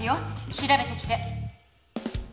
調べてきて！